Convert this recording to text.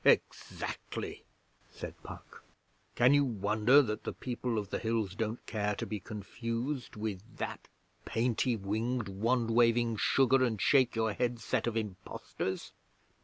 'Exactly,' said Puck. 'Can you wonder that the People of the Hills don't care to be confused with that painty winged, wand waving, sugar and shake your head set of impostors?